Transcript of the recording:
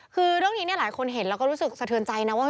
คือเรื่องนี้หลายคนเห็นแล้วก็รู้สึกสะเทือนใจนะว่า